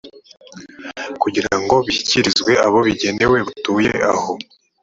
kugira ngo abishyikirize abo bigenewe batuye aho